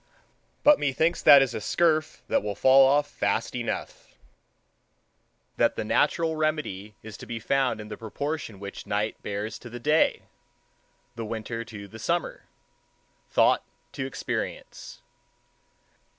But methinks that is a scurf that will fall off fast enough—that the natural remedy is to be found in the proportion which the night bears to the day, the winter to the summer, thought to experience.